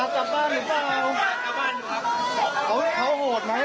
คุยข้างใน